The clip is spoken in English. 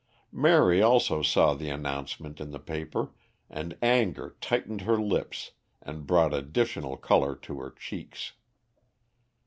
Mary also saw the announcement in the paper, and anger tightened her lips and brought additional colour to her cheeks.